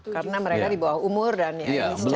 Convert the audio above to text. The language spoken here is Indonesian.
karena mereka di bawah umur dan ini secara